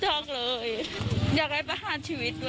โชว์บ้านในพื้นที่เขารู้สึกยังไงกับเรื่องที่เกิดขึ้น